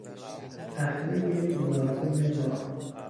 اهلهی گوناگون ماه